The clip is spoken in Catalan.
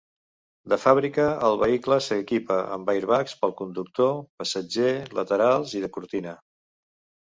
De fàbrica, el vehicle s'equipa amb airbags pel conductor, passatger, laterals i de cortina.